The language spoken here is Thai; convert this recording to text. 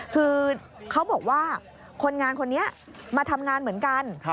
คือเขาบอกว่าคนงานคนนี้มาทำงานเหมือนกัน